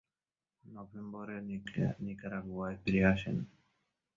নভেম্বরে নিকারাগুয়ায় ফিরে আসেন।